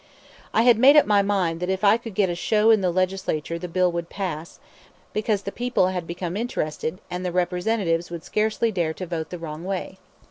I had made up my mind that if I could get a show in the Legislature the bill would pass, because the people had become interested and the representatives would scarcely dare to vote the wrong way.